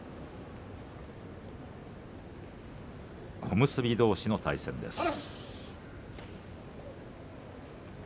小結どうしの対戦です。